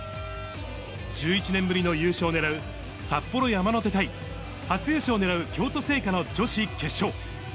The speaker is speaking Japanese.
１１年ぶりの優勝をねらう札幌山の手対、初優勝を狙う京都精華の女子決勝。